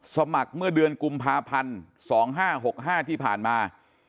สมัครเมื่อเดือนกุมภาพันธ์๒๕๖๕ที่ผ่านมา